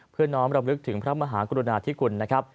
เพื่อนน้องรำลึกถึงพระมหากุณณาธิกุลนะครับ